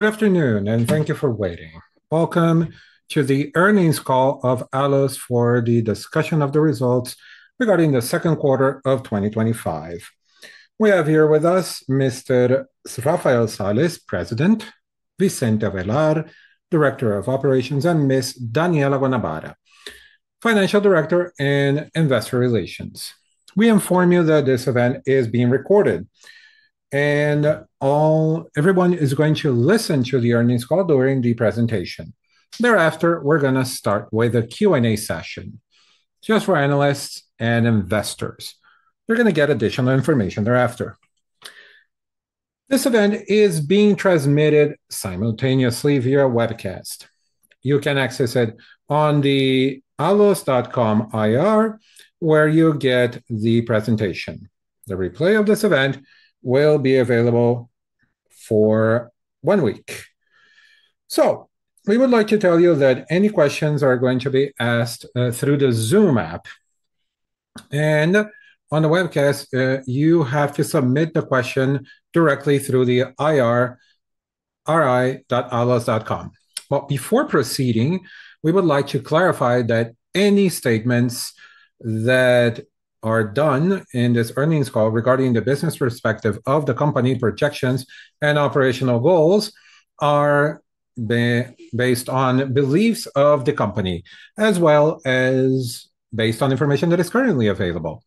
Good afternoon, and thank you for waiting. Welcome to the Earnings Call of ALLOS for the discussion of the results regarding the second quarter of 2025. We have here with us Mr. Rafael Sales, President; Vicente Avellar, Director of Operations; and Ms. Daniella Guanabara, Financial Director and Head of Investor Relations. We inform you that this event is being recorded, and everyone is going to listen to the earnings call during the presentation. Thereafter, we're going to start with a Q&A session just for analysts and investors. You're going to get additional information thereafter. This event is being transmitted simultaneously via webcast. You can access it on the allos.com.ir, where you get the presentation. The replay of this event will be available for one week. We would like to tell you that any questions are going to be asked through the Zoom app, and on the webcast, you have to submit the question directly through the IR, ri.allos.com. Before proceeding, we would like to clarify that any statements that are done in this earnings call regarding the business perspective of the company, projections, and operational goals are based on beliefs of the company, as well as based on information that is currently available.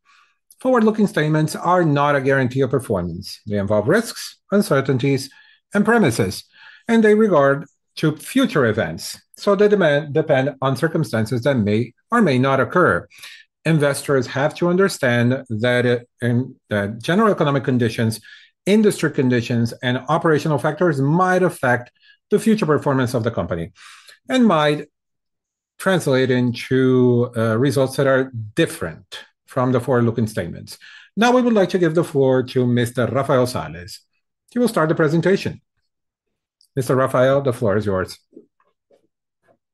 Forward-looking statements are not a guarantee of performance. They involve risks, uncertainties, and premises, and they regard to future events. They depend on circumstances that may or may not occur. Investors have to understand that general economic conditions, industry conditions, and operational factors might affect the future performance of the company and might translate into results that are different from the forward-looking statements. Now, we would like to give the floor to Mr. Rafael Sales. He will start the presentation. Mr. Rafael, the floor is yours.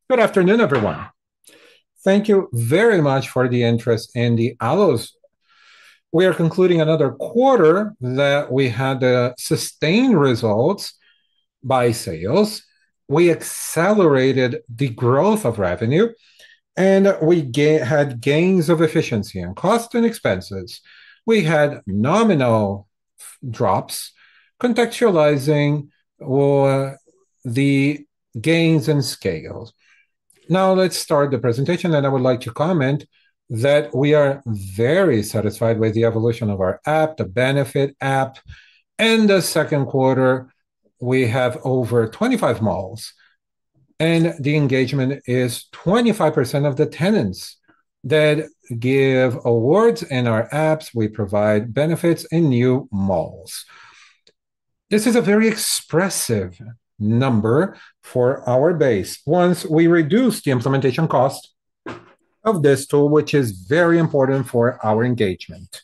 Good afternoon, everyone. Thank you very much for the interest in ALLOS. We are concluding another quarter that we had sustained results by sales. We accelerated the growth of revenue, and we had gains of efficiency in cost and expenses. We had nominal drops, contextualizing the gains in scale. Now, let's start the presentation, and I would like to comment that we are very satisfied with the evolution of our app, the ALLOS benefits app, in the second quarter. We have over 25 malls, and the engagement is 25% of the tenants that give awards in our apps. We provide benefits in new malls. This is a very expressive number for our base. Once we reduced the implementation cost of this tool, which is very important for our engagement,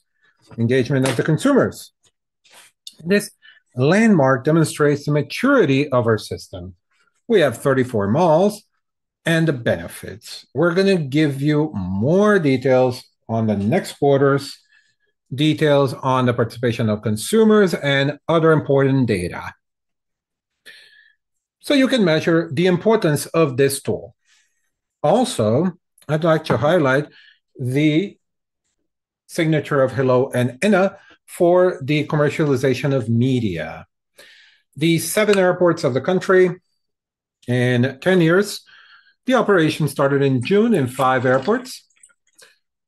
engagement of the consumers. This landmark demonstrates the maturity of our system. We have 34 malls and the benefits. We're going to give you more details on the next quarter's details on the participation of consumers and other important data, so you can measure the importance of this tool. Also, I'd like to highlight the signature of Hello and NEO for the commercialization of media. The seven airports of the country in 10 years, the operation started in June in five airports,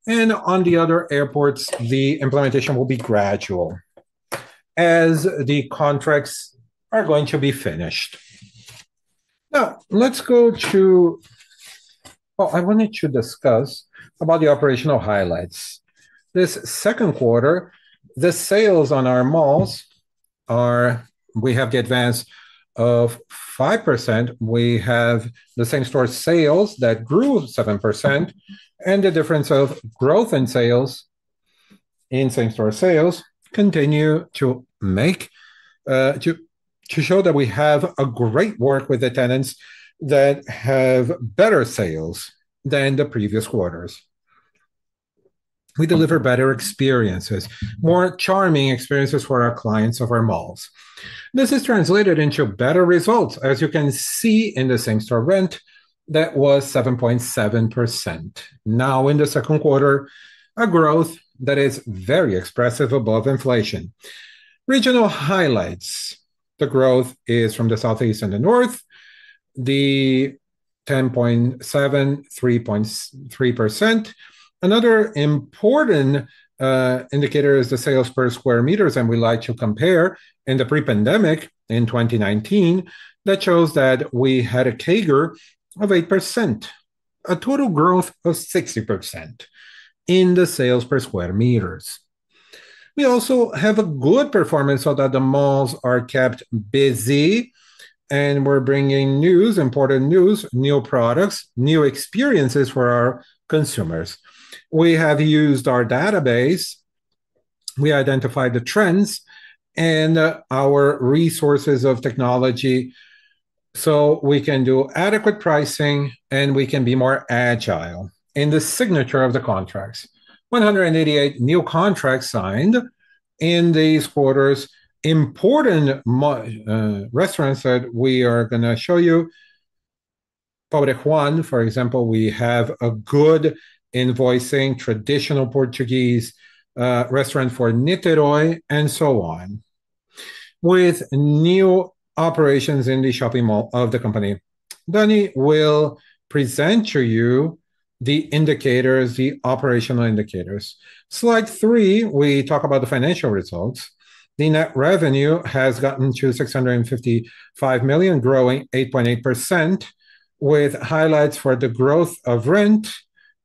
and on the other airports, the implementation will be gradual as the contracts are going to be finished. Now, let's go to, I wanted to discuss about the operational highlights. This second quarter, the sales on our malls are, we have the advance of 5%. We have the same-store sales that grew 7%, and the difference of growth in sales in same-store sales continues to show that we have great work with the tenants that have better sales than the previous quarters. We deliver better experiences, more charming experiences for our clients of our malls. This is translated into better results, as you can see in the same-store rent that was 7.7%. Now, in the second quarter, a growth that is very expressive above inflation. Regional highlights. The growth is from the southeast and the north, the 10.7%, 3.3%. Another important indicator is the sales per square meter that we like to compare in the pre-pandemic in 2019 that shows that we had a CAGR of 8%, a total growth of 60% in the sales per square meter. We also have a good performance so that the malls are kept busy, and we're bringing news, important news, new products, new experiences for our consumers. We have used our database. We identify the trends and our resources of technology so we can do adequate pricing and we can be more agile. In the signature of the contracts, 188 new contracts signed in these quarters. Important restaurants that we are going to show you, Pobre Juan, for example. We have a good invoicing, traditional Portuguese restaurant for Niterói and so on. With new operations in the shopping mall of the company, Dani will present to you the indicators, the operational indicators. Slide three, we talk about the financial results. The net revenue has gotten to 655 million, growing 8.8%, with highlights for the growth of rent,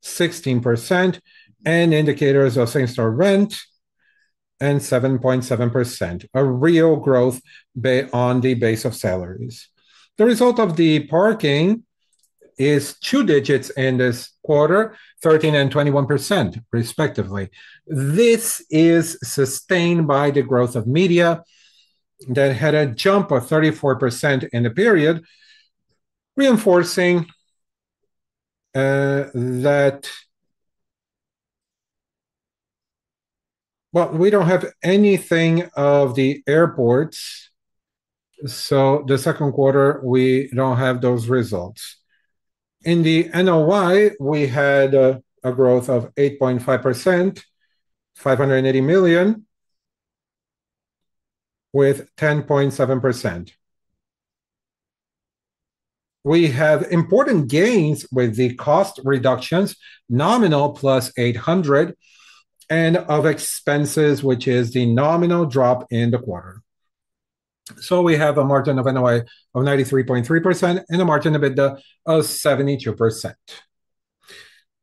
16%, and indicators of same-store rent and 7.7%, a real growth on the base of salaries. The result of the parking is two digits in this quarter, 13% and 21%, respectively. This is sustained by the growth of media that had a jump of 34% in the period, reinforcing that we don't have anything of the airports, so the second quarter, we don't have those results. In the NOI, we had a growth of 8.5%, 580 million, with 10.7%. We have important gains with the cost reductions, nominal plus 800, and of expenses, which is the nominal drop in the quarter. We have a margin of NOI of 93.3% and a margin of EBITDA of 72%.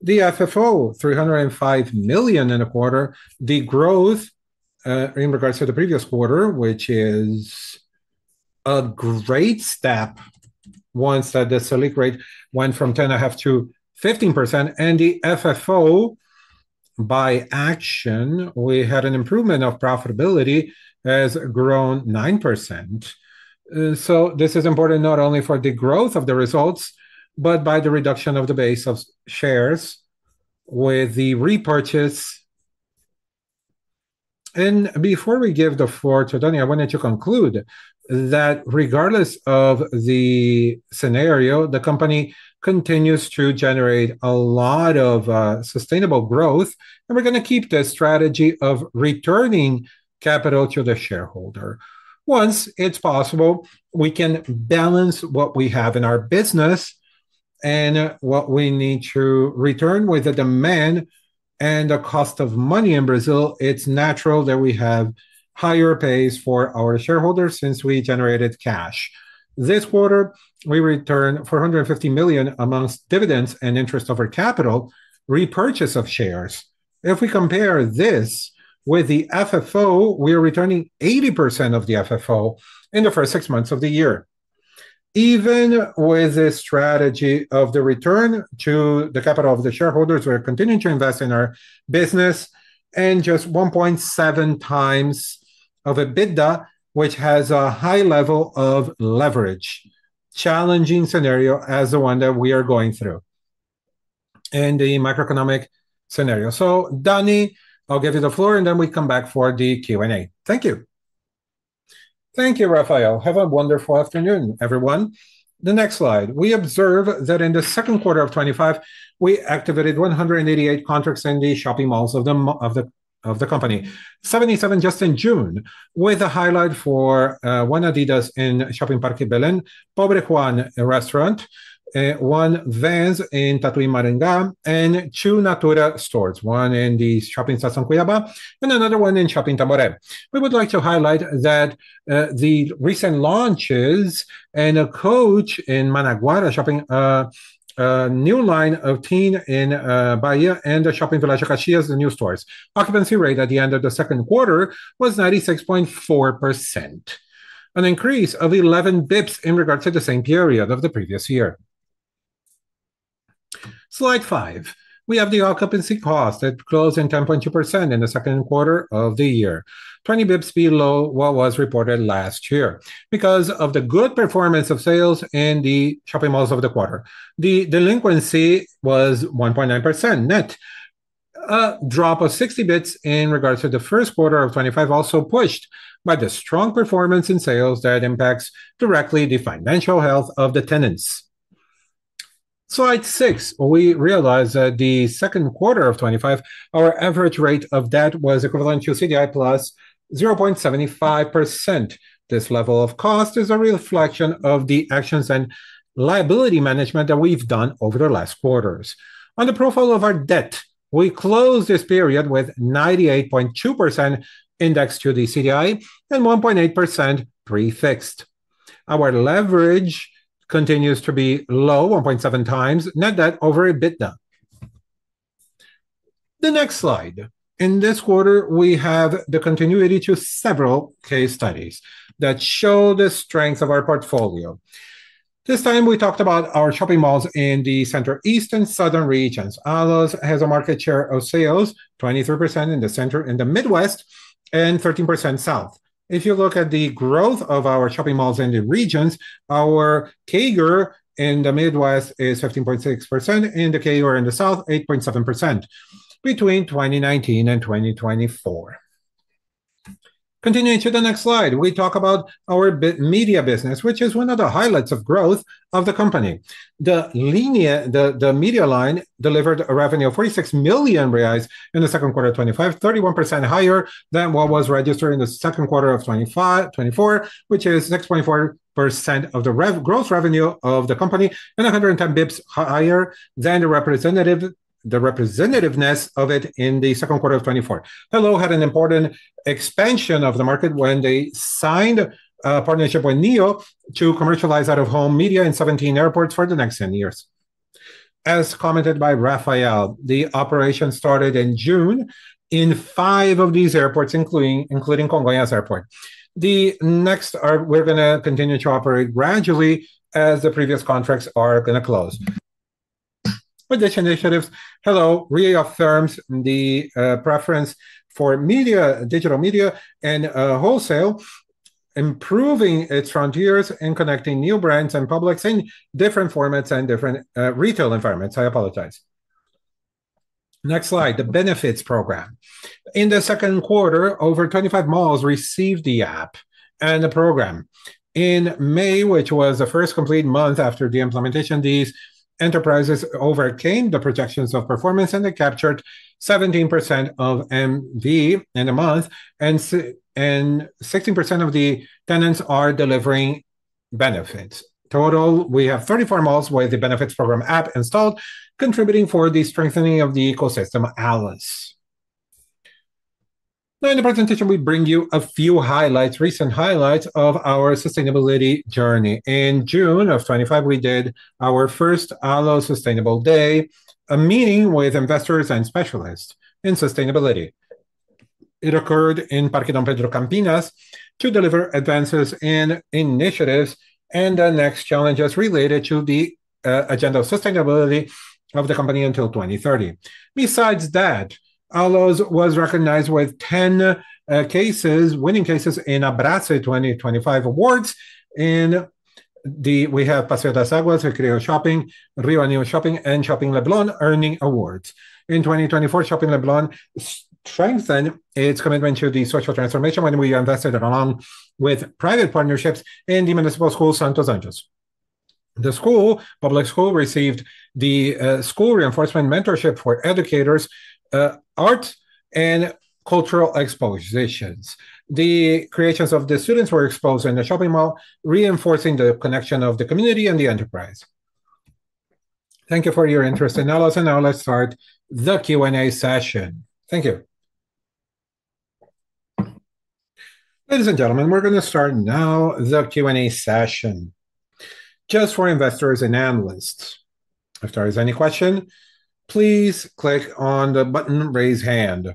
The FFO, 305 million in a quarter, the growth in regards to the previous quarter, which is a great step once that the selling rate went from 10.5%-15%, and the FFO by action, we had an improvement of profitability that has grown 9%. This is important not only for the growth of the results, but by the reduction of the base of shares with the repurchase. Before we give the floor to Dani, I wanted to conclude that regardless of the scenario, the company continues to generate a lot of sustainable growth, and we're going to keep the strategy of returning capital to the shareholder. Once it's possible, we can balance what we have in our business and what we need to return with the demand and the cost of money in Brazil. It's natural that we have higher pays for our shareholders since we generated cash. This quarter, we return 450 million amongst dividends and interest of our capital repurchase of shares. If we compare this with the FFO, we are returning 80% of the FFO in the first six months of the year. Even with this strategy of the return to the capital of the shareholders, we are continuing to invest in our business and just 1.7 times of EBITDA, which has a high level of leverage. Challenging scenario as the one that we are going through in the macroeconomic scenario. Dani, I'll give you the floor, and then we come back for the Q&A. Thank you. Thank you, Rafael. Have a wonderful afternoon, everyone. The next slide. We observe that in the second quarter of 2025, we activated 188 contracts in the shopping malls of the company, 77 just in June, with a highlight for one Adidas in Shopping Parque Belém, Pobre Juan restaurant, one Vans in Tatuí Maringá, and two Natura stores, one in the shopping Sazón Cuiabá and another one in Shopping Tamboré. We would like to highlight that the recent launches and a Coach in Managuara shopping, a new line of teen in Bahia, and the shopping Village of Caxias' new stores. Occupancy rate at the end of the second quarter was 96.4%, an increase of 11 basis points in regards to the same period of the previous year. Slide five. We have the occupancy cost that closed at 10.2% in the second quarter of the year, 20 basis points below what was reported last year because of the good performance of sales in the shopping malls of the quarter. The delinquency was 1.9% net, a drop of 60 basis points in regards to the first quarter of 2025, also pushed by the strong performance in sales that impacts directly the financial health of the tenants. Slide six. We realize that the second quarter of 2025, our average rate of debt was equivalent to CDI plus 0.75%. This level of cost is a reflection of the actions and liability management that we've done over the last quarters. On the profile of our debt, we closed this period with 98.2% indexed to the CDI and 1.8% prefixed. Our leverage continues to be low, 1.7 times net debt over EBITDA. The next slide. In this quarter, we have the continuity to several case studies that show the strengths of our portfolio. This time, we talked about our shopping malls in the center-east and southern regions. ALLOS has a market share of sales 23% in the center in the Midwest and 13% south. If you look at the growth of our shopping malls in the regions, our CAGR in the Midwest is 15.6%, and the CAGR in the south, 8.7% between 2019 and 2024. Continuing to the next slide, we talk about our media business, which is one of the highlights of growth of the company. The media line delivered a revenue of 46 million reais in the second quarter of 2025, 31% higher than what was registered in the second quarter of 2024, which is 6.4% of the gross revenue of the company, and 110 basis points higher than the representativeness of it in the second quarter of 2024. Hello had an important expansion of the market when they signed a partnership with NEO to commercialize out-of-home media in 17 airports for the next 10 years. As commented by Rafael, the operation started in June in five of these airports, including Congonhas Airport. The next are going to continue to operate gradually as the previous contracts are going to close. With these initiatives, Hello reaffirms the preference for media, digital media, and wholesale, improving its frontiers in connecting new brands and publics in different formats and different retail environments. I apologize. Next slide, the benefits program. In the second quarter, over 25 malls received the app and the program. In May, which was the first complete month after the implementation, these enterprises overcame the projections of performance, and they captured 17% of MV in a month, and 16% of the tenants are delivering benefits. Total, we have 34 malls with the benefits program app installed, contributing to the strengthening of the ecosystem ALLOS. Now, in the presentation, we bring you a few highlights, recent highlights of our sustainability journey. In June of 2025, we did our first ALLOS Sustainable Day, a meeting with investors and specialists in sustainability. It occurred in Parque Dom Pedro Campinas to deliver advances in initiatives and the next challenges related to the agenda of sustainability of the company until 2030. Besides that, ALLOS was recognized with 10 winning cases in Abrace 2025 awards. We have Paseo das Águas, Recreio Shopping, Rio Anil Shopping, and Shopping Leblon earning awards. In 2024, Shopping Leblon strengthened its commitment to the social transformation when we invested along with private partnerships in the municipal school, Santo Santos. The school, public school, received the school reinforcement mentorship for educators, art, and cultural expositions. The creations of the students were exposed in the shopping mall, reinforcing the connection of the community and the enterprise. Thank you for your interest in ALLOS, and now let's start the Q&A session. Thank you. Ladies and gentlemen, we're going to start now the Q&A session. Just for investors and analysts, if there is any question, please click on the button raise hand.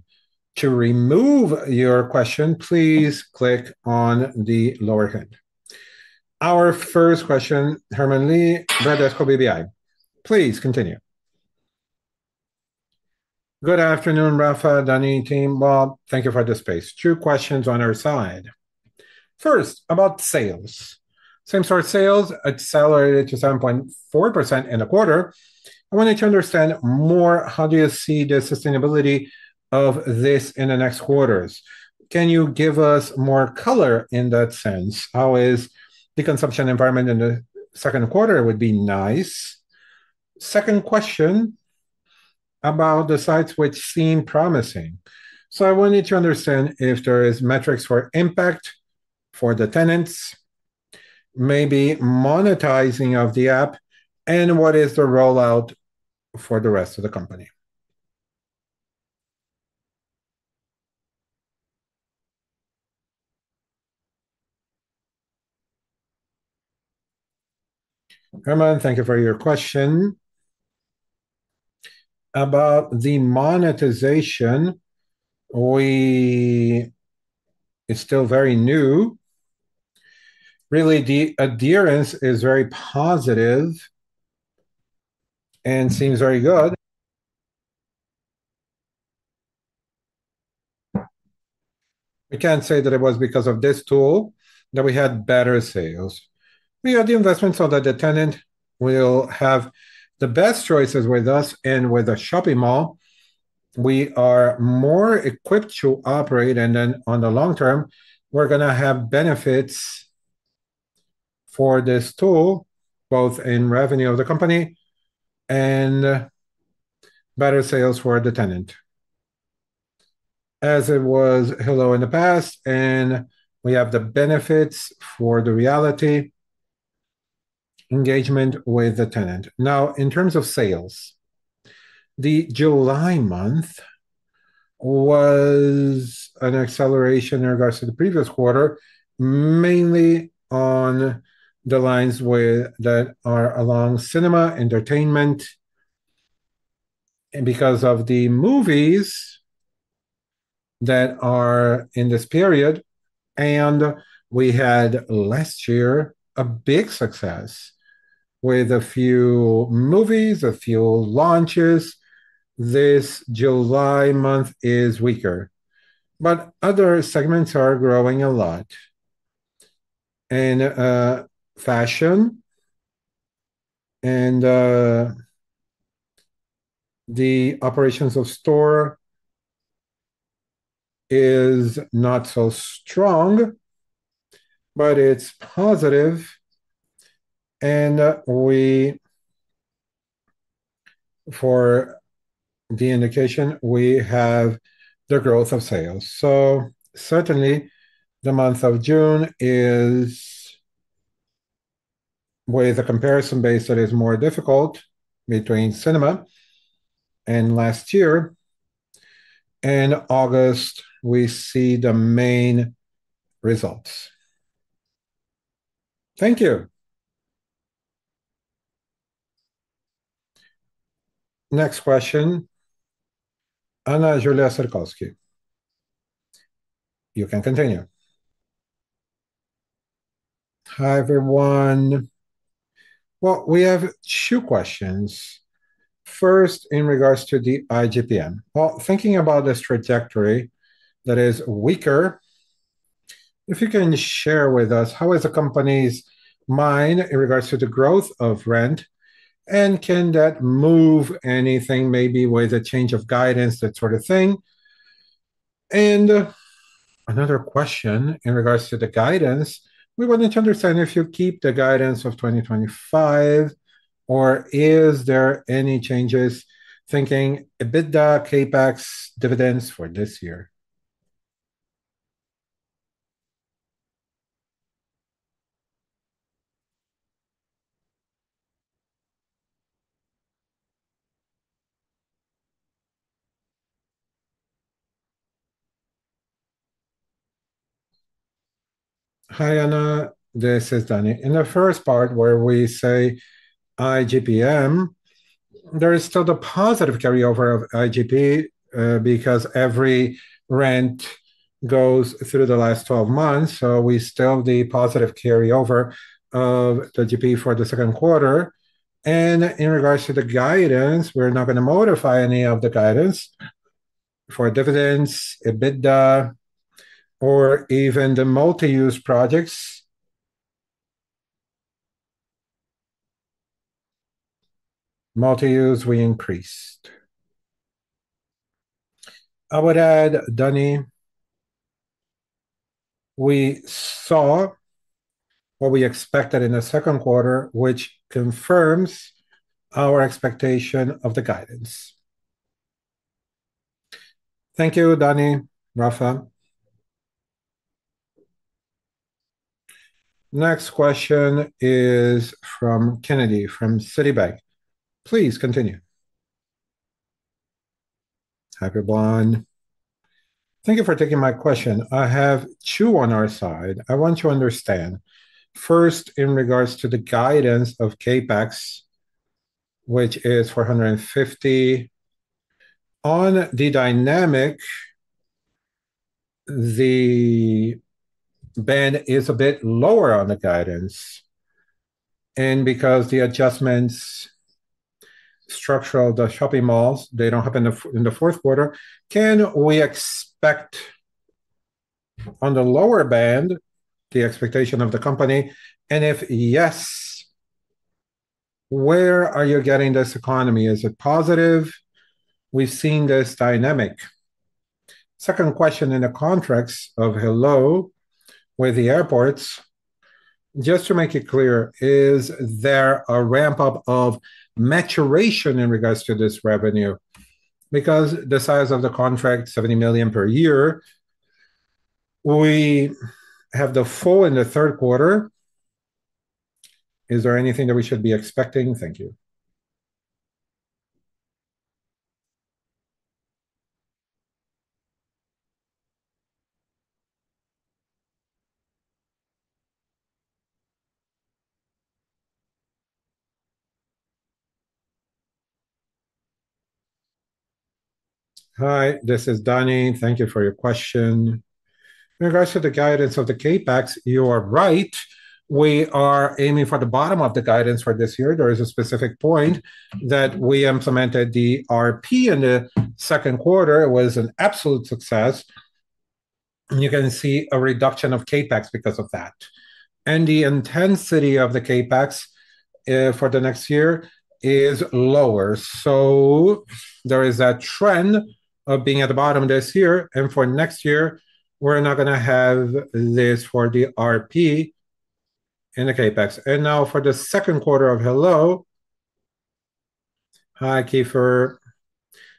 To remove your question, please click on the lower hand. Our first question, Herman Lee, Bradesco BBI. Please continue. Good afternoon, Rafael, Daniella, team. Thank you for the space. Two questions on our side. First, about sales. Same-store sales accelerated to 7.4% in a quarter. I wanted to understand more. How do you see the sustainability of this in the next quarters? Can you give us more color in that sense? How is the consumption environment in the second quarter? It would be nice. Second question about the sites which seem promising. I wanted to understand if there are metrics for impact for the tenants, maybe monetizing of the app, and what is the rollout for the rest of the company? Herman, thank you for your question. About the monetization, it's still very new. Really, the adherence is very positive and seems very good. I can't say that it was because of this tool that we had better sales. We are the investment so that the tenant will have the best choices with us and with the shopping mall. We are more equipped to operate, and then in the long term, we're going to have benefits for this tool, both in revenue of the company and better sales for the tenant. As it was Hello in the past, and we have the benefits for the reality engagement with the tenant. Now, in terms of sales, the July month was an acceleration in regards to the previous quarter, mainly on the lines that are along cinema, entertainment, and because of the movies that are in this period. We had last year a big success with a few movies, a few launches. This July month is weaker, but other segments are growing a lot. Fashion and the operations of the store are not so strong, but it's positive. For the indication, we have the growth of sales. Certainly, the month of June is with a comparison base that is more difficult between cinema and last year. In August, we see the main results. Thank you. Next question. Anna Julia Sarkowski. You can continue. Hi, everyone. We have two questions. First, in regards to the IGPM. Thinking about the trajectory that is weaker, if you can share with us, how is the company's mind in regards to the growth of rent, and can that move anything, maybe with a change of guidance, that sort of thing? Another question in regards to the guidance. We wanted to understand if you keep the guidance of 2025, or is there any changes thinking EBITDA, CAPEX, dividends for this year? Hi, Anna. This is Danny. In the first part where we say IGPM, there is still the positive carryover of IGP because every rent goes through the last 12 months, so we still have the positive carryover of the GP for the second quarter. In regards to the guidance, we're not going to modify any of the guidance for dividends, EBITDA, or even the multi-use projects. Multi-use, we increased. I would add, Danny, we saw what we expected in the second quarter, which confirms our expectation of the guidance. Thank you, Danny, Rafa. Next question is from Kennedy from Citibank. Please continue. Hi, everyone. Thank you for taking my question. I have two on our side. I want to understand. First, in regards to the guidance of CAPEX, which is 450 million. On the dynamic, the band is a bit lower on the guidance. Because the adjustments structural the shopping malls, they don't happen in the fourth quarter, can we expect on the lower band the expectation of the company? If yes, where are you getting this economy? Is it positive? We've seen this dynamic. Second question, in the contracts of Hello with the airports, just to make it clear, is there a ramp-up of maturation in regards to this revenue? Because the size of the contract, 70 million per year, we have the full in the third quarter. Is there anything that we should be expecting? Thank you. Hi, this is Danny. Thank you for your question. In regards to the guidance of the CAPEX, you are right. We are aiming for the bottom of the guidance for this year. There is a specific point that we implemented the RP in the second quarter. It was an absolute success. You can see a reduction of CAPEX because of that, and the intensity of the CAPEX for next year is lower. There is that trend of being at the bottom this year, and for next year, we're not going to have this for the RP in the CAPEX. For the second quarter of Hello, hi, Kiefer.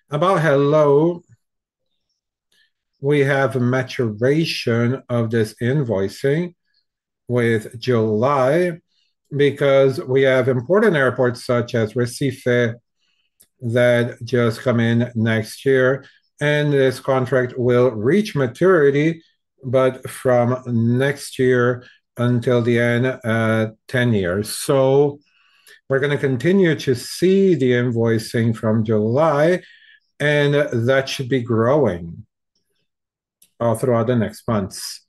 About Hello, we have a maturation of this invoicing with July because we have important airports such as Recife that just come in next year, and this contract will reach maturity, but from next year until the end, 10 years. We're going to continue to see the invoicing from July, and that should be growing throughout the next months.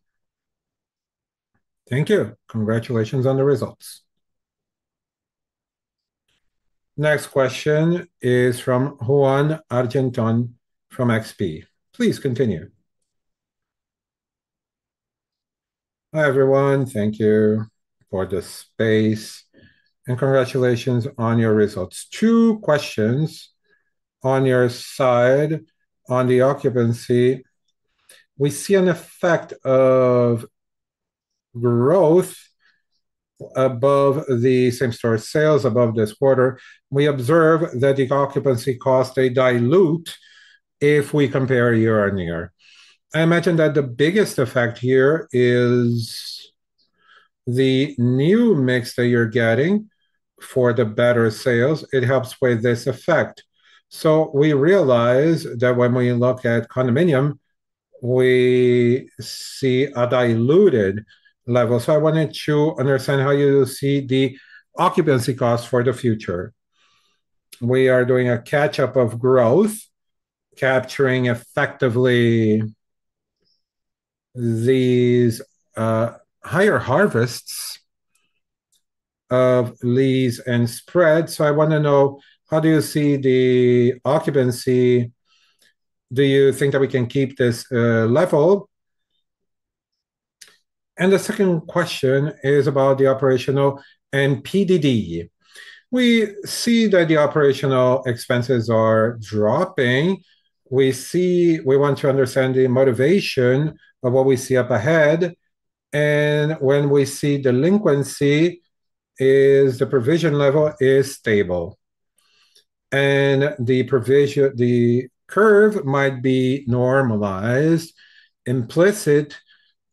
Thank you. Congratulations on the results. Next question is from Ruan Argenton from XP. Please continue. Hi, everyone. Thank you for the space, and congratulations on your results. Two questions on your side on the occupancy. We see an effect of growth above the same-store sales above this quarter. We observe that the occupancy costs dilute if we compare year-on-year. I imagine that the biggest effect here is the new mix that you're getting for the better sales. It helps with this effect. We realize that when we look at condominiums, we see a diluted level. I wanted to understand how you see the occupancy costs for the future. We are doing a catch-up of growth, capturing effectively these higher harvests of leads and spreads. I want to know, how do you see the occupancy? Do you think that we can keep this level? The second question is about the operational and PDD. We see that the operational expenses are dropping. We want to understand the motivation of what we see up ahead, and when we see delinquency, the provision level is stable, and the curve might be normalized, implicit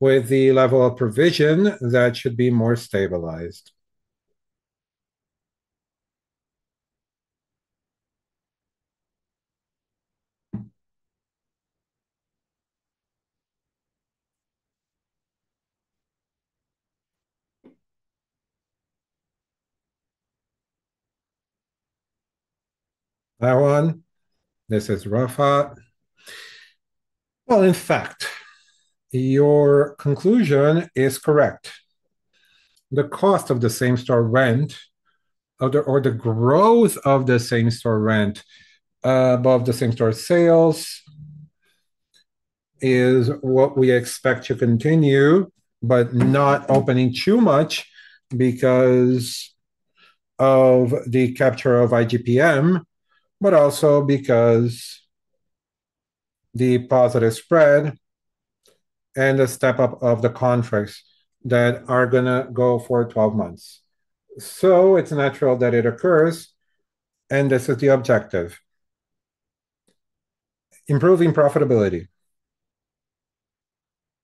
with the level of provision that should be more stabilized. Hi Ruan. This is Rafa. In fact, your conclusion is correct. The cost of the same-store rent or the growth of the same-store rent above the same-store sales is what we expect to continue, not opening too much because of the capture of IGPM, but also because of the positive spread and the step-up of the contracts that are going to go for 12 months. It is natural that it occurs, and this is the objective. Improving profitability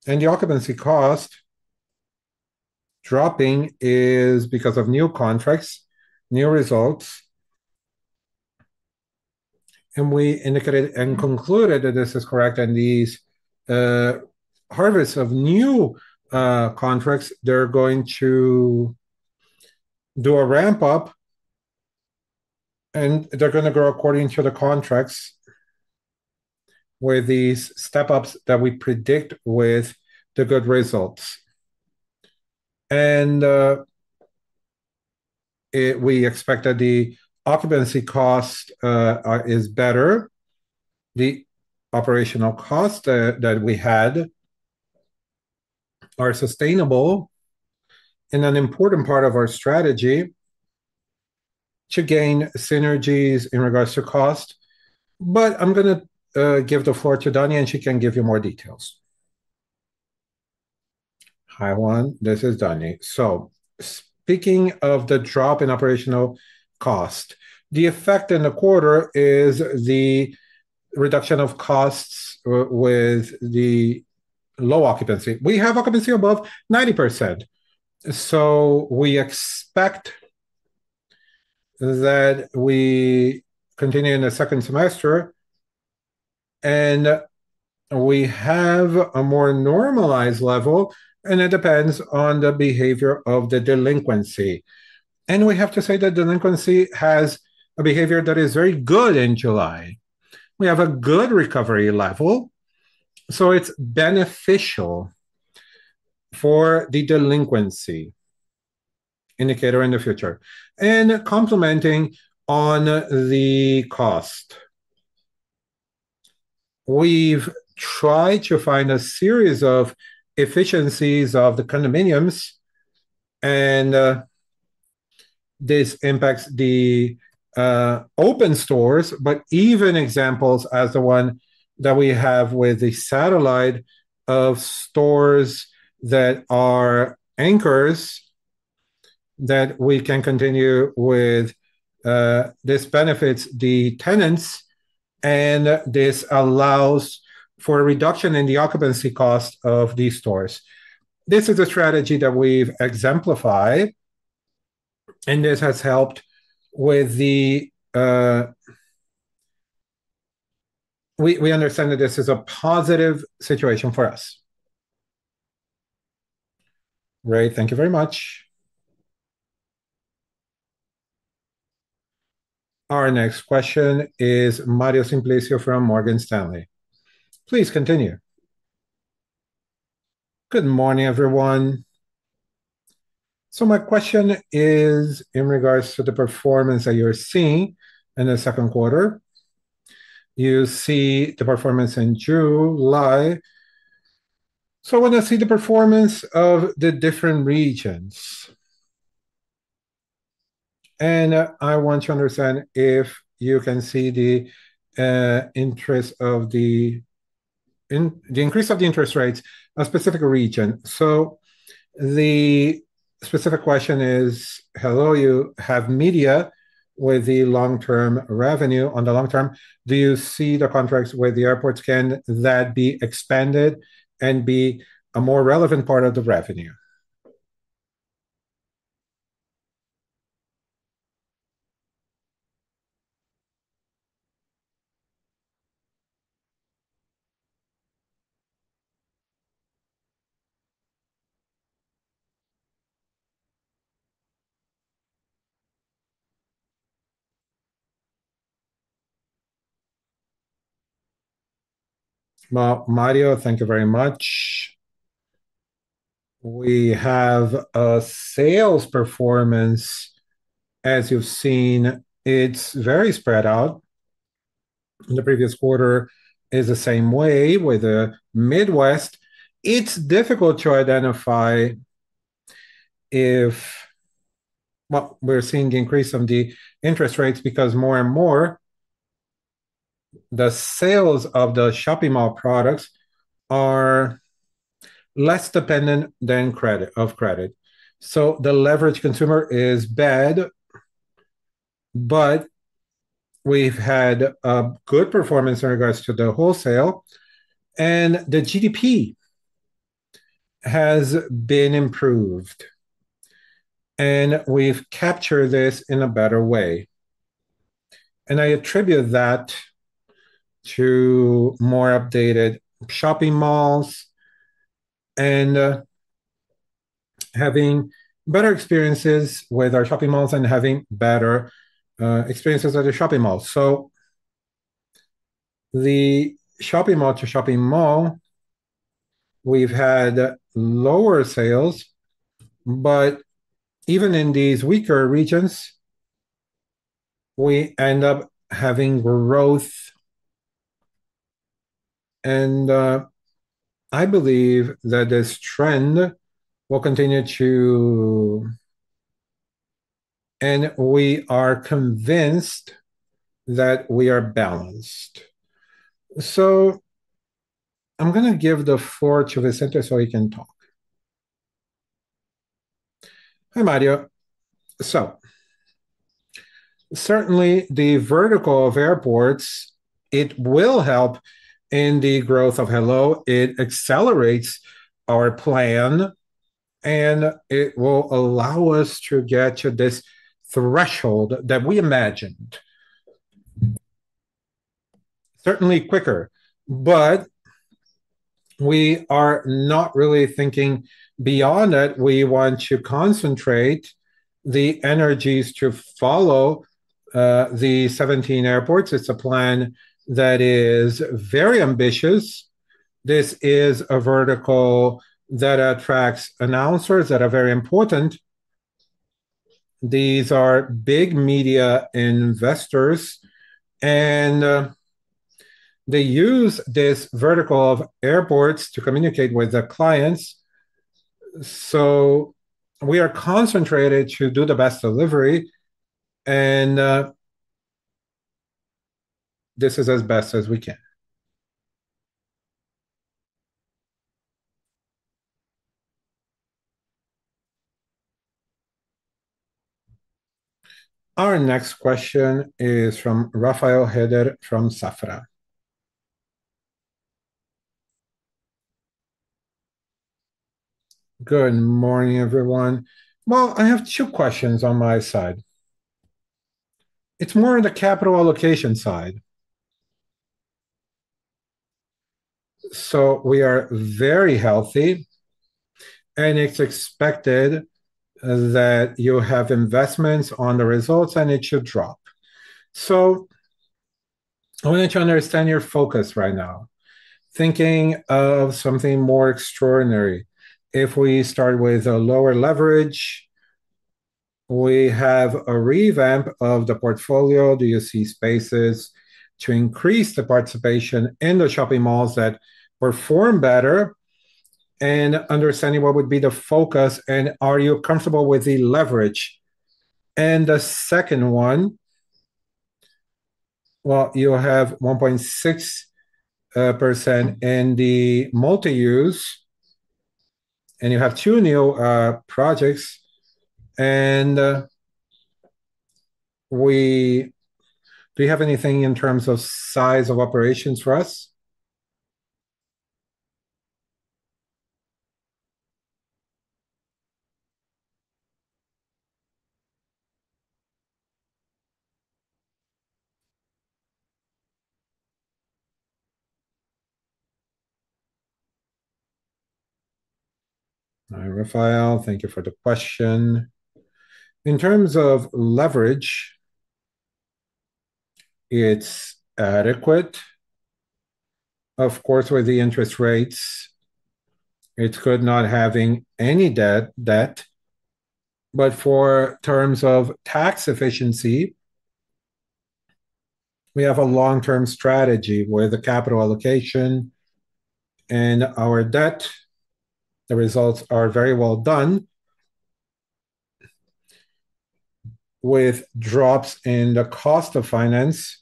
and the occupancy cost dropping is because of new contracts, new results. We indicated and concluded that this is correct, and these harvests of new contracts are going to do a ramp-up, and they're going to grow according to the contracts with these step-ups that we predict with the good results. We expect that the occupancy cost is better. The operational costs that we had are sustainable and an important part of our strategy to gain synergies in regards to cost. I'm going to give the floor to Danny, and she can give you more details. Hi Ruan. This is Danny. Speaking of the drop in operational cost, the effect in the quarter is the reduction of costs with the low occupancy. We have occupancy above 90%. We expect that we continue in the second semester, and we have a more normalized level, and it depends on the behavior of the delinquency. We have to say that delinquency has a behavior that is very good in July. We have a good recovery level, so it's beneficial for the delinquency indicator in the future. Complementing on the cost, we've tried to find a series of efficiencies of the condominiums, and this impacts the open stores, but even examples as the one that we have with the satellite of stores that are anchors that we can continue with. This benefits the tenants, and this allows for a reduction in the occupancy cost of these stores. This is a strategy that we've exemplified, and this has helped with the. We understand that this is a positive situation for us. Great. Thank you very much. Our next question is Mario Simplicio from Morgan Stanley. Please continue. Good morning, everyone. My question is in regards to the performance that you're seeing in the second quarter. You see the performance in July. I want to see the performance of the different regions. I want to understand if you can see the interest of the increase of the interest rates in a specific region. The specific question is, Hello, you have media with the long-term revenue. On the long term, do you see the contracts with the airports, can that be expanded and be a more relevant part of the revenue? Mario, thank you very much. We have a sales performance. As you've seen, it's very spread out. In the previous quarter, it was the same way with the Midwest. It's difficult to identify if we're seeing the increase in the interest rates because more and more the sales of the shopping mall products are less dependent than credit of credit. The leveraged consumer is bad, but we've had a good performance in regards to the wholesale, and the GDP has been improved, and we've captured this in a better way. I attribute that to more updated shopping malls and having better experiences with our shopping malls and having better experiences at the shopping malls. The shopping mall to shopping mall, we've had lower sales, but even in these weaker regions, we end up having growth. I believe that this trend will continue too, and we are convinced that we are balanced. I'm going to give the floor to Vicente so he can talk. Hi, Mario. Certainly, the vertical of airports, it will help in the growth of Hello. It accelerates our plan, and it will allow us to get to this threshold that we imagined. Certainly quicker, but we are not really thinking beyond that. We want to concentrate the energies to follow the 17 airports. It's a plan that is very ambitious. This is a vertical that attracts announcers that are very important. These are big media investors, and they use this vertical of airports to communicate with their clients. We are concentrated to do the best delivery, and this is as best as we can. Our next question is from [Rafael Heider from Safra. Good morning, everyone. I have two questions on my side. It's more on the capital allocation side. We are very healthy, and it's expected that you have investments on the results, and it should drop. I wanted to understand your focus right now, thinking of something more extraordinary. If we start with a lower leverage, we have a revamp of the portfolio. Do you see spaces to increase the participation in the shopping malls that perform better? Understanding what would be the focus, and are you comfortable with the leverage? The second one, you have 1.6% in the multi-use, and you have two new projects. Do you have anything in terms of size of operations for us? Hi, Rafael. Thank you for the question. In terms of leverage, it's adequate, of course, with the interest rates. It's good not having any debt, but for terms of tax efficiency, we have a long-term strategy with the capital allocation and our debt. The results are very well done with drops in the cost of finance.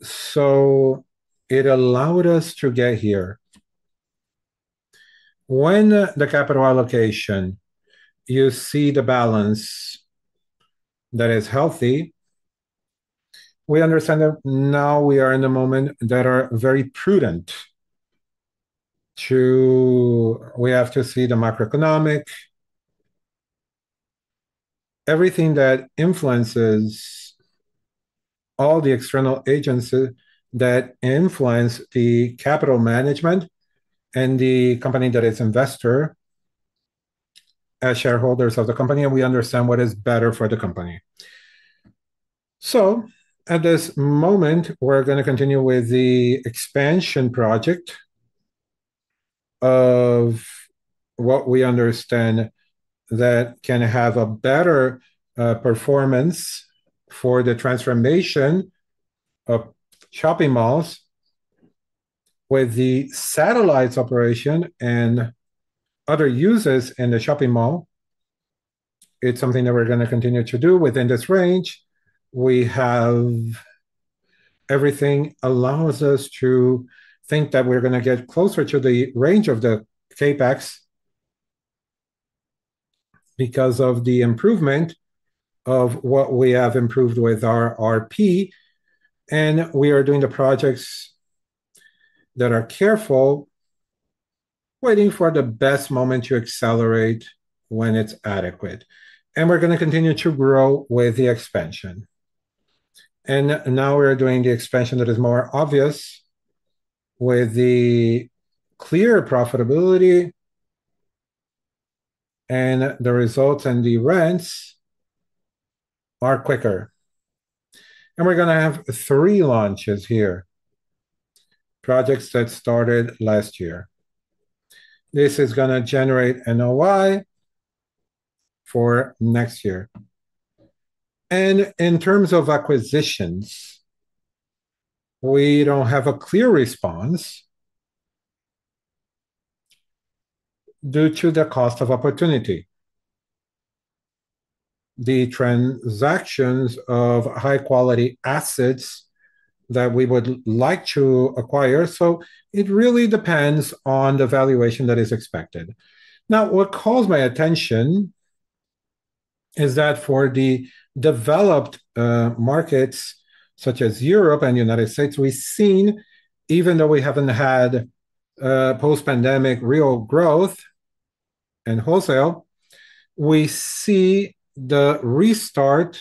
It allowed us to get here. When the capital allocation, you see the balance that is healthy. We understand that now we are in a moment that is very prudent. We have to see the macroeconomic, everything that influences all the external agencies that influence the capital management and the company that is investor as shareholders of the company, and we understand what is better for the company. At this moment, we're going to continue with the expansion project of what we understand that can have a better performance for the transformation of shopping malls with the satellites operation and other uses in the shopping mall. It's something that we're going to continue to do within this range. We have everything that allows us to think that we're going to get closer to the range of the CAPEX because of the improvement of what we have improved with our RP, and we are doing the projects that are careful, waiting for the best moment to accelerate when it's adequate. We're going to continue to grow with the expansion. Now we're doing the expansion that is more obvious with the clear profitability, and the results and the rents are quicker. We're going to have three launches here, projects that started last year. This is going to generate NOI for next year. In terms of acquisitions, we don't have a clear response due to the cost of opportunity. The transactions of high-quality assets that we would like to acquire, so it really depends on the valuation that is expected. Now, what calls my attention is that for the developed markets such as Europe and the United States, we've seen, even though we haven't had post-pandemic real growth in wholesale, we see the restart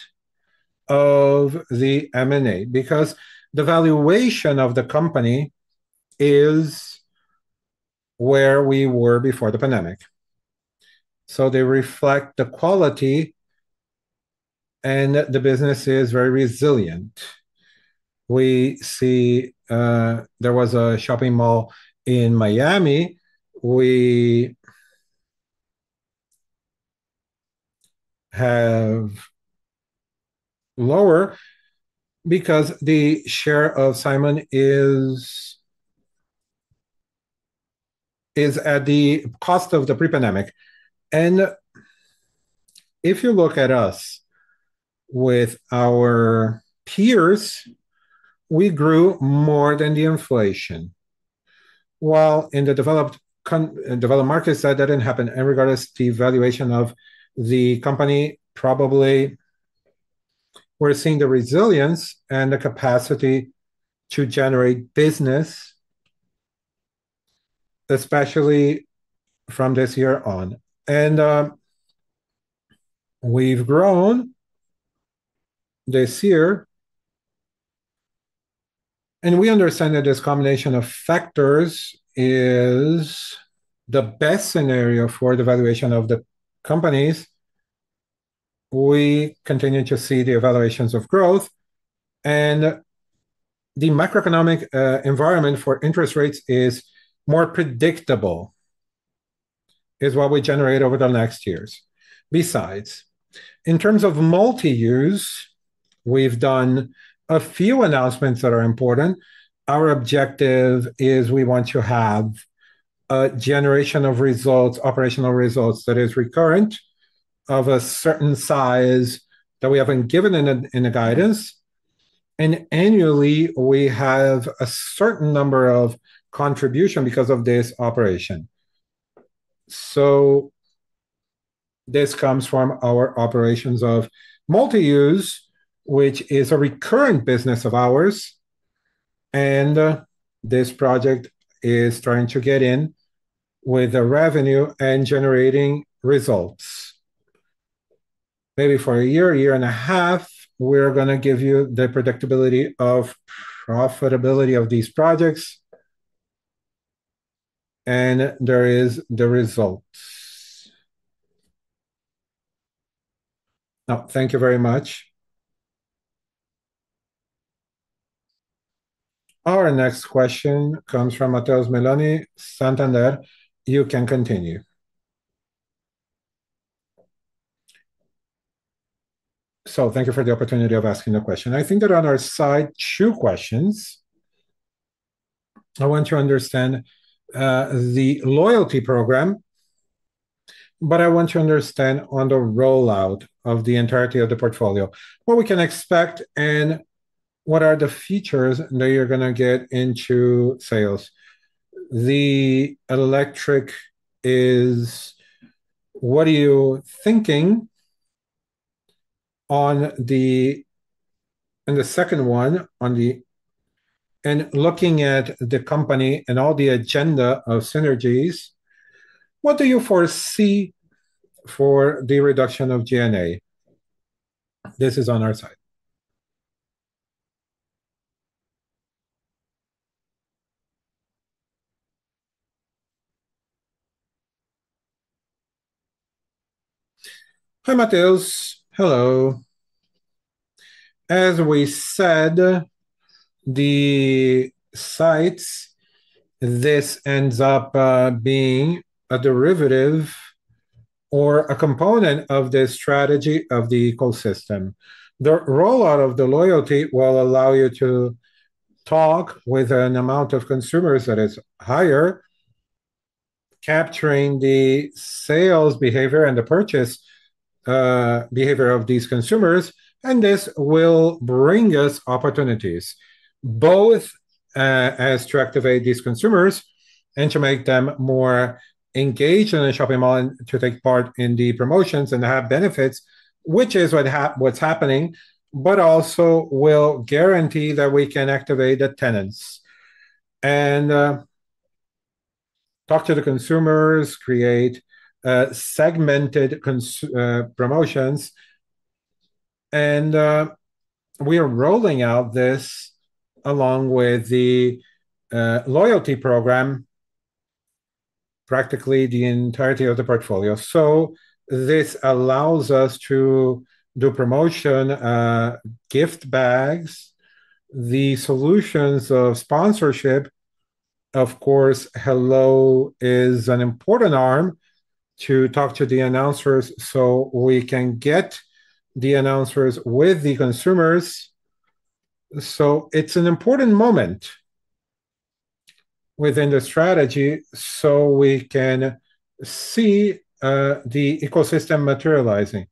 of the M&A because the valuation of the company is where we were before the pandemic. They reflect the quality, and the business is very resilient. We see there was a shopping mall in Miami. We have lower because the share of Simon is at the cost of the pre-pandemic. If you look at us with our peers, we grew more than the inflation. While in the developed markets, that didn't happen. Regardless of the valuation of the company, probably we're seeing the resilience and the capacity to generate business, especially from this year on. We've grown this year, and we understand that this combination of factors is the best scenario for the valuation of the companies. We continue to see the evaluations of growth, and the macroeconomic environment for interest rates is more predictable. It's what we generate over the next years. Besides, in terms of multi-use, we've done a few announcements that are important. Our objective is we want to have a generation of results, operational results that are recurrent of a certain size that we haven't given in the guidance. Annually, we have a certain number of contributions because of this operation. This comes from our operations of multi-use, which is a recurrent business of ours, and this project is starting to get in with the revenue and generating results. Maybe for a year, a year and a half, we're going to give you the predictability of profitability of these projects, and there are the results. Thank you very much. Our next question comes from Matheus Meloni Santander. You can continue. Thank you for the opportunity of asking the question. I think that on our side, two questions. I want to understand the loyalty program, but I want to understand on the rollout of the entirety of the portfolio, what we can expect, and what are the features that you're going to get into sales? The electric is, what are you thinking on the second one? Looking at the company and all the agenda of synergies, what do you foresee for the reduction of G&A? This is on our side. Hi, Matheus. Hello. As we said, the sites, this ends up being a derivative or a component of the strategy of the ecosystem. The rollout of the loyalty will allow you to talk with an amount of consumers that is higher, capturing the sales behavior and the purchase behavior of these consumers, and this will bring us opportunities, both as to activate these consumers and to make them more engaged in the shopping mall and to take part in the promotions and to have benefits, which is what's happening, but also will guarantee that we can activate the tenants and talk to the consumers, create segmented promotions. We are rolling out this along with the loyalty program, practically the entirety of the portfolio. This allows us to do promotion gift bags, the solutions of sponsorship. Of course, Hello is an important arm to talk to the announcers so we can get the announcers with the consumers. It is an important moment within the strategy so we can see the ecosystem materializing.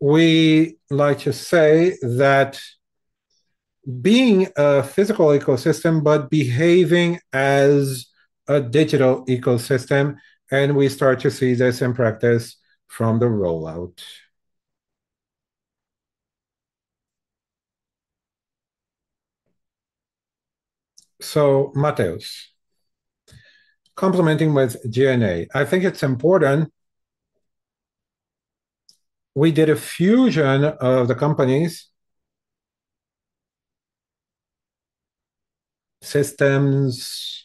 We like to say that being a physical ecosystem, but behaving as a digital ecosystem, and we start to see this in practice from the rollout. Matheus, complementing with G&A, I think it's important. We did a fusion of the companies, systems,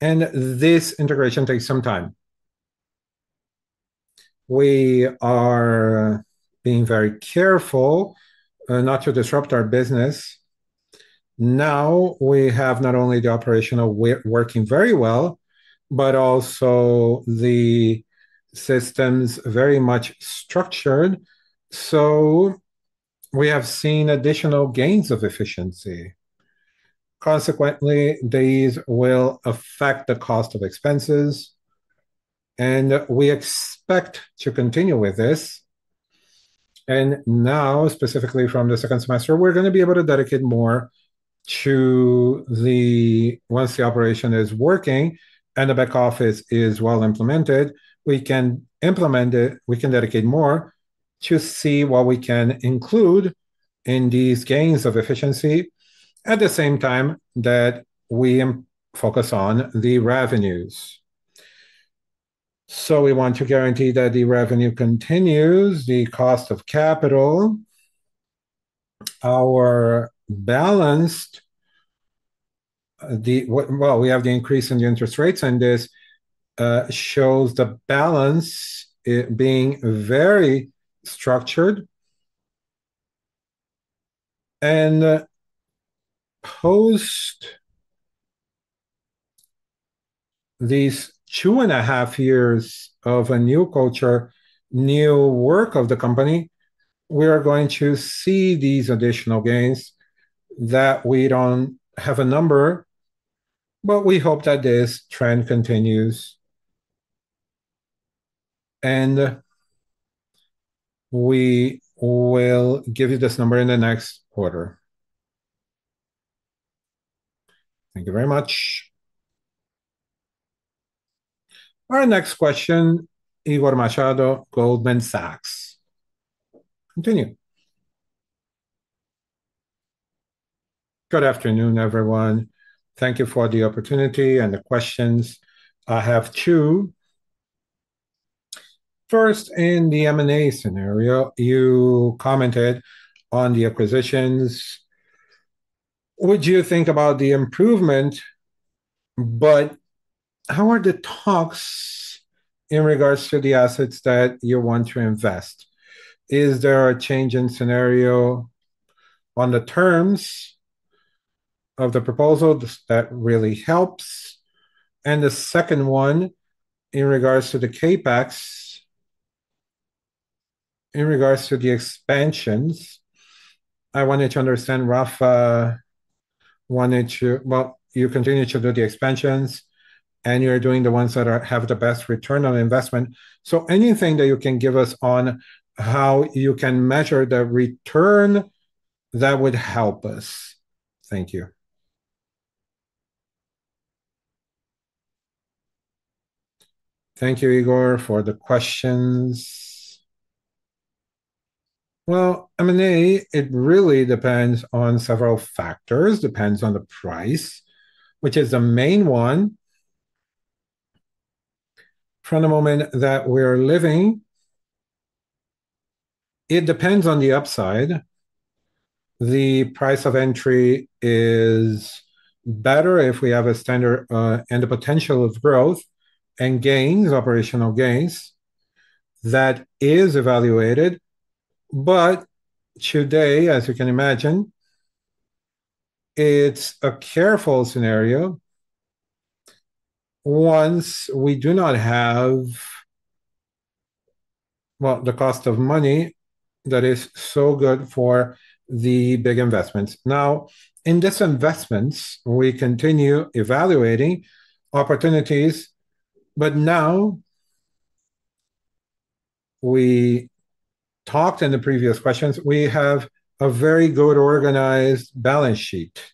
and this integration takes some time. We are being very careful not to disrupt our business. Now, we have not only the operation working very well, but also the systems very much structured, so we have seen additional gains of efficiency. Consequently, these will affect the cost of expenses, and we expect to continue with this. Specifically from the second semester, we're going to be able to dedicate more to the once the operation is working and the back office is well implemented, we can implement it. We can dedicate more to see what we can include in these gains of efficiency at the same time that we focus on the revenues. We want to guarantee that the revenue continues, the cost of capital, our balanced, well, we have the increase in the interest rates, and this shows the balance being very structured. Post these two and a half years of a new culture, new work of the company, we are going to see these additional gains that we don't have a number, but we hope that this trend continues. We will give you this number in the next quarter. Thank you very much. Our next question, Igor Machado, Goldman Sachs. Continue. Continue. Good afternoon, everyone. Thank you for the opportunity and the questions. I have two. First, in the M&A scenario, you commented on the acquisitions. Would you think about the improvement, but how are the talks in regards to the assets that you want to invest? Is there a change in scenario on the terms of the proposal that really helps? The second one, in regards to the CAPEX, in regards to the expansions, I wanted to understand, Rafa, wanted to, you continue to do the expansions, and you're doing the ones that have the best return on investment. Anything that you can give us on how you can measure the return, that would help us. Thank you. Thank you, Igor, for the questions. M&A, it really depends on several factors. It depends on the price, which is the main one. From the moment that we're living, it depends on the upside. The price of entry is better if we have a standard and the potential of growth and gains, operational gains, that is evaluated. Today, as you can imagine, it's a careful scenario once we do not have the cost of money that is so good for the big investments. In these investments, we continue evaluating opportunities. As we talked in the previous questions, we have a very good organized balance sheet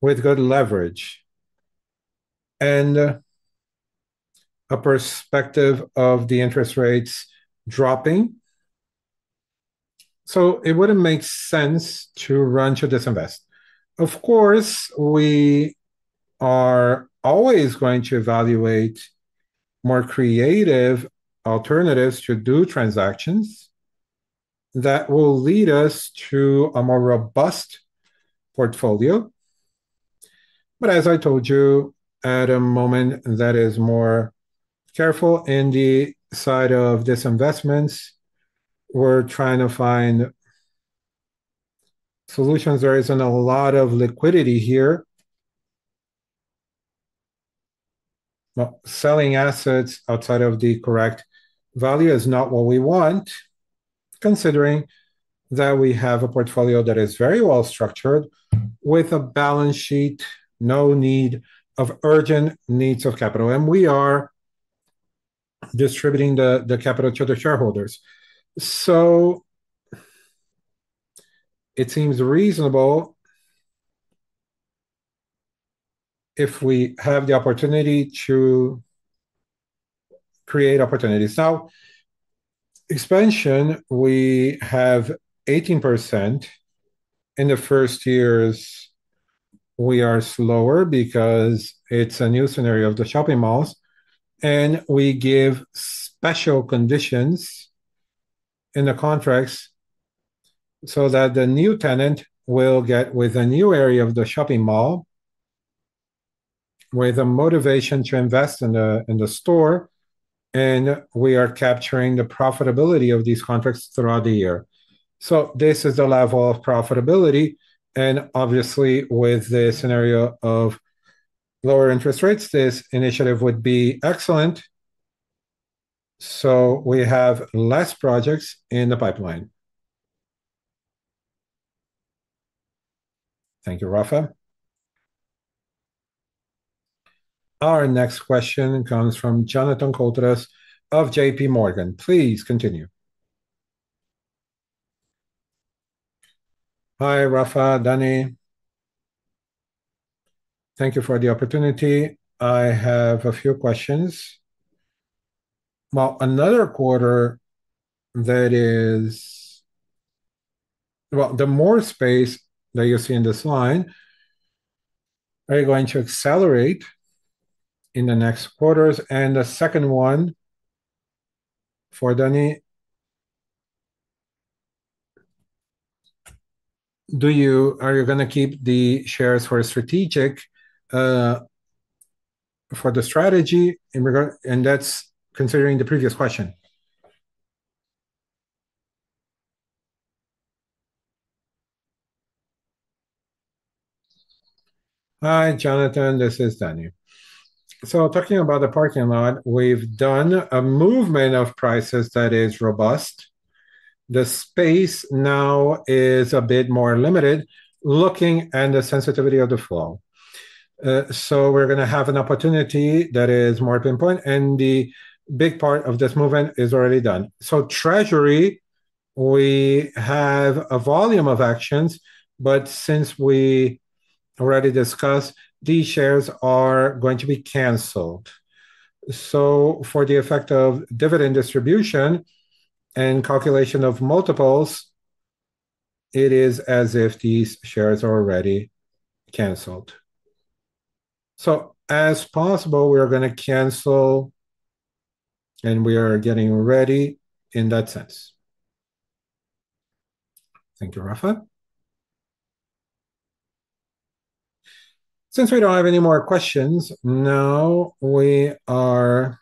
with good leverage and a perspective of the interest rates dropping. It wouldn't make sense to run to disinvest. Of course, we are always going to evaluate more creative alternatives to do transactions that will lead us to a more robust portfolio. As I told you, at a moment that is more careful in the side of disinvestments, we're trying to find solutions. There isn't a lot of liquidity here. Selling assets outside of the correct value is not what we want, considering that we have a portfolio that is very well structured with a balance sheet, no need of urgent needs of capital, and we are distributing the capital to the shareholders. It seems reasonable if we have the opportunity to create opportunities. Expansion, we have 18%. In the first years, we are slower because it's a new scenario of the shopping malls, and we give special conditions in the contracts so that the new tenant will get with a new area of the shopping mall with a motivation to invest in the store, and we are capturing the profitability of these contracts throughout the year. This is the level of profitability, and obviously, with the scenario of lower interest rates, this initiative would be excellent. We have less projects in the pipeline. Thank you, Rafa. Our next question comes from Jonathan [Kotronis] of JPMorgan Chase & Co. Please continue. Hi, Rafa, Danny. Thank you for the opportunity. I have a few questions. Another quarter that is, the more space that you see in this line, are you going to accelerate in the next quarters? The second one for Danny, are you going to keep the shares for strategic for the strategy? That's considering the previous question. Hi, Jonathan. This is Danny. Talking about the parking lot, we've done a movement of prices that is robust. The space now is a bit more limited, looking at the sensitivity of the flow. We're going to have an opportunity that is more pinpoint, and the big part of this movement is already done. Treasury, we have a volume of actions, but since we already discussed, these shares are going to be canceled. For the effect of dividend distribution and calculation of multiples, it is as if these shares are already canceled. As possible, we are going to cancel, and we are getting ready in that sense. Thank you, Rafa. Since we don't have any more questions, now we are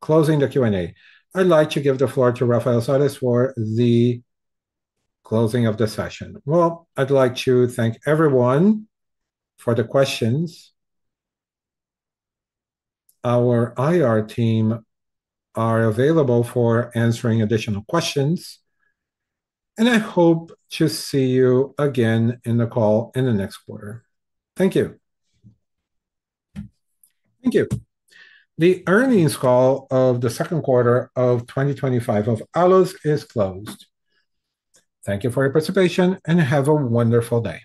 closing the Q&A. I'd like to give the floor to Rafael Sales for the closing of the session. I'd like to thank everyone for the questions. Our IR team is available for answering additional questions, and I hope to see you again in the call in the next quarter. Thank you. Thank you. The earnings call of the second quarter of 2025 of ALLOS is closed. Thank you for your participation, and have a wonderful day.